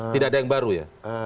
tidak ada yang baru ya